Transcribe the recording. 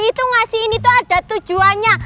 mas rendi ngasih ini tuh ada tujuannya